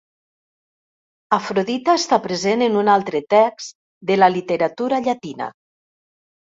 Afrodita està present en un altre text de la literatura llatina.